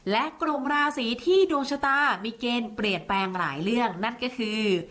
และกลุ่มราศีที่ดวงชะตามีเกณฑ์เปลี่ยนแปลงหลายเรื่องนั่นก็คือ